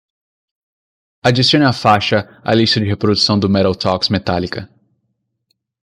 Adicione a faixa à lista de reprodução do Metal Talks Metallica.